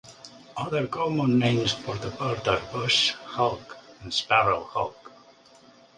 Other common names for the bird are bush hawk and sparrow hawk.